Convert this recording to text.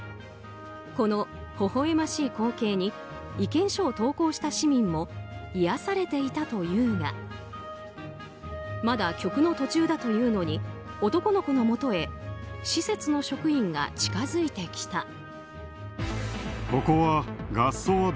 このほほ笑ましい光景に意見書を投稿した市民も癒やされていたというがまだ曲の途中だというのに男の子のもとへ施設の職員が近づいてきた。